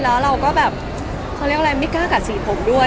แล้วเราก็แบบเขาเรียกอะไรไม่กล้ากัดสีผมด้วย